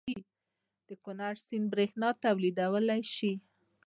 د کنړ سیند بریښنا تولیدولی شي؟